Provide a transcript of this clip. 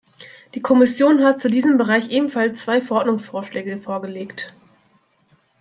Die Kommission hat zu diesem Bereich ebenfalls zwei Verordnungsvorschläge vorgelegt.